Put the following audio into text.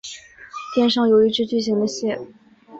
店上有一只巨型的蟹。